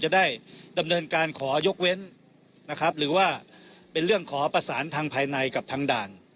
จะได้ดำเนินการขอยกเว้นนะครับหรือว่าเป็นเรื่องขอประสานทางภายในกับทางด่าน